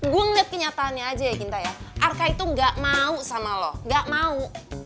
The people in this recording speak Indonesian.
gue ngeliat kenyataannya aja ya ginta ya arka itu gak mau sama loh gak mau